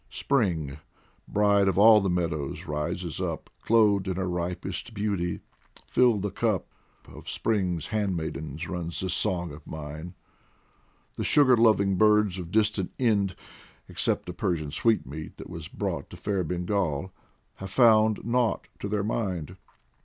Spring, bride of all the meadows, rises up, Clothed in her ripest beauty : fill the cup ! Of Spring's handmaidens runs this song of mine. The sugar loving birds of distant Ind, Except a Persian sweetmeat that was brought To fair Bengal, have found nought to their mind.